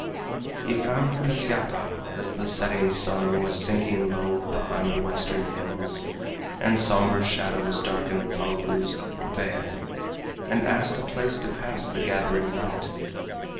He found Kasyapa as the setting sun Was sinking low behind the western hills, And somber shadows darkened Phalgu's vale, And asked a place to pass the gathering night.